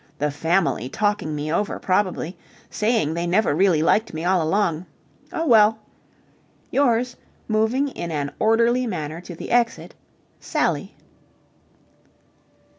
The Family talking me over, probably. Saying they never really liked me all along. Oh, well! Yours moving in an orderly manner to the exit, Sally.